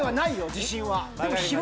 自信は。